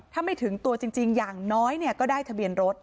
ถ้าไม่ถึงตัวจริงอย่างน้อยเนี่ย